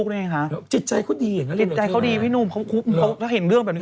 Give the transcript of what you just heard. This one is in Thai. กินใจเขาดีพี่นุ่มเขาเห็นเรื่องแบบนึง